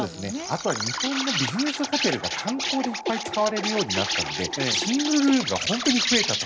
あとは日本のビジネスホテルが観光でいっぱい使われるようになったのでシングルルームが本当に増えたと。